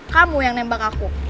kamu yang nembak aku